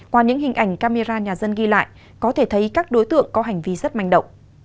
qua những hình ảnh camera nhà dân ghi lại có thể thấy các đối tượng có hành vi rất manh động